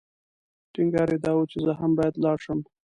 ټینګار یې دا و چې زه هم باید لاړ شم.